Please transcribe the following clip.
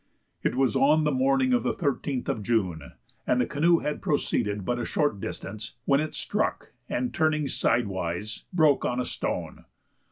It was on the morning of the 13th of June, and the canoe had proceeded but a short distance, when it struck, and, turning sidewise, broke on a stone.